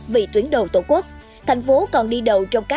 vì tuyến đầu tổ quốc thành phố còn đi đầu trong các